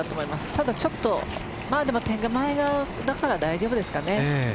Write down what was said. ただちょっとまあ手前側だから大丈夫ですかね。